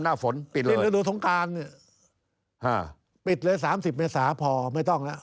ต้องดูทุกข์การปิดเลย๓๐เมษาพอไม่ต้องแล้ว